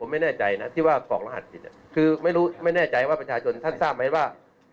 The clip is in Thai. ไม่แน่ใจนะที่ว่ากรอกรหัสผิดคือไม่รู้ไม่แน่ใจว่าประชาชนท่านทราบไหมว่า